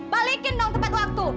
balikin dong tepat waktu